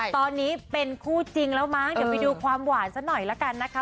ตอนนี้เป็นคู่จริงแล้วมั้งเดี๋ยวไปดูความหวานซะหน่อยละกันนะคะ